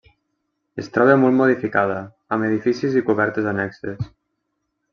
Es troba molt modificada, amb edificis i cobertes annexes.